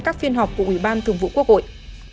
các phiên họp của ủy ban thường vụ quốc hội